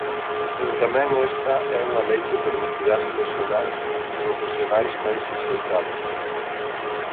Pero tamén esta é unha lei que permitirá seleccionar os profesionais máis axeitados.